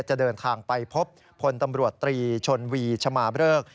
จะเดินทางไปพบพลตำรวจตรีชนวีชมาเริก